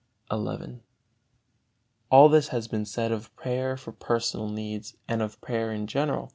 XI. All this has been said of prayer for personal needs, and of prayer in general.